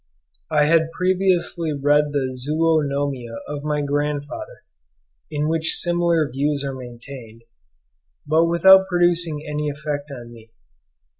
I had previously read the 'Zoonomia' of my grandfather, in which similar views are maintained, but without producing any effect on me.